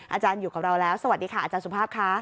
อาจารย์อยู่กับเราแล้วสวัสดีค่ะอาจารย์สุภาพค่ะ